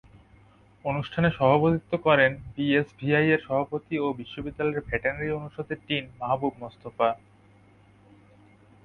অনুষ্ঠানে সভাপতিত্ব করেন বিএসভিইআরের সভাপতি ও বিশ্ববিদ্যালয়ের ভেটেরিনারি অনুষদের ডিন মাহবুব মোস্তফা।